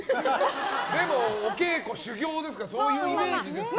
でもお稽古、修業ですからそういうイメージですけどね。